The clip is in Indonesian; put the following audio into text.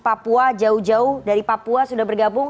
papua jauh jauh dari papua sudah bergabung